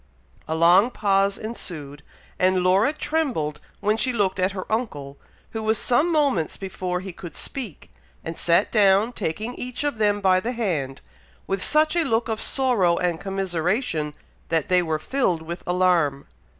A long pause ensued; and Laura trembled when she looked at her uncle, who was some moments before he could speak, and sat down taking each of them by the hand, with such a look of sorrow and commiseration, that they were filled with alarm.